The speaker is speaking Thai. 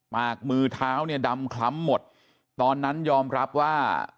มือเท้าเนี่ยดำคล้ำหมดตอนนั้นยอมรับว่า